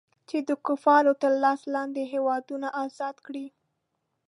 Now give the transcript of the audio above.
چې د کفارو تر لاس لاندې هېوادونه ازاد کړي.